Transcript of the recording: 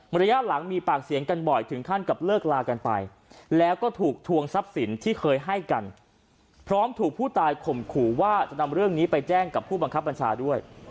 ระยะหลังมีปากเสียงกันบ่อยถึงขั้นกับเลิกลากันไปแล้วก็ถูกทวงทรัพย์สินที่เคยให้กันพร้อมถูกผู้ตายข่มขู่ว่าจะนำเรื่องนี้ไปแจ้งกับผู้บังคับบัญชาด้วย